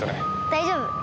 大丈夫。